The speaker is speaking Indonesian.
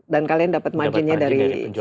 dan kalian dapat marginnya dari situ